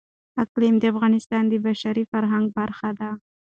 اقلیم د افغانستان د بشري فرهنګ برخه ده.